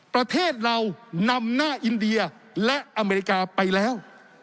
ประเทศเรานำหน้าอินเดียและอเมริกาไปแล้ว